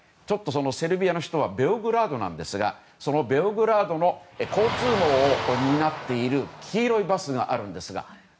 セルビアの首都はベオグラードなんですがそのベオグラードの交通網を担っている黄色いバスがあるんですが。